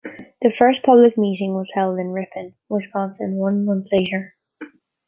The first public meeting was held in Ripon, Wisconsin one month later.